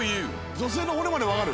「女性の骨までわかる？」